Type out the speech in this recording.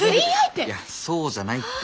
いやそうじゃないって。